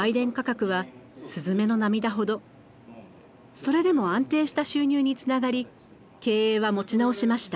それでも安定した収入につながり経営は持ち直しました。